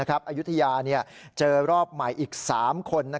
อายุทยาเจอรอบใหม่อีก๓คน